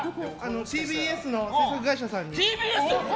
ＴＢＳの制作会社さんに。